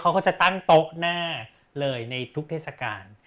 เขาก็จะตั้งโต๊ะหน้าเลยในทุกเทศกาล